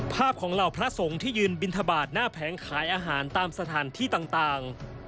ภาพของเหล่าพระสงฆ์ที่ยืนบินทบาทหน้าแผงขายอาหารตามสถานที่ต่าง